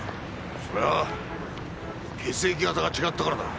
それは血液型が違ったからだ。